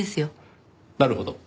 なるほど。